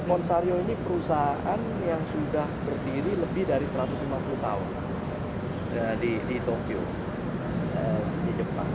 konsario ini perusahaan yang sudah berdiri lebih dari satu ratus lima puluh tahun di tokyo di jepang